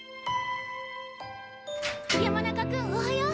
山中君おはよう！